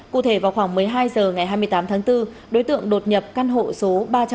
cụ thể vào khoảng một mươi hai h ngày hai mươi tám tháng bốn đối tượng đột nhập căn hộ số ba trăm bảy mươi bảy